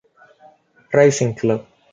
Racing Club.